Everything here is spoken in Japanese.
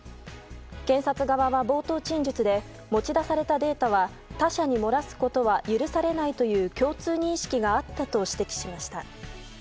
検察側は冒頭陳述で持ち出されたデータは、他社に漏らすことは許されないという共通認識があったと指摘しました。